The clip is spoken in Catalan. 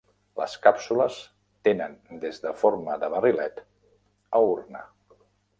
Les càpsules tenen des de forma de barrilet a urna.